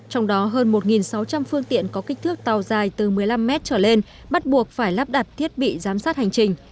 trong đó hơn một sáu trăm linh phương tiện có kích thước tàu dài từ một mươi năm mét trở lên bắt buộc phải lắp đặt thiết bị giám sát hành trình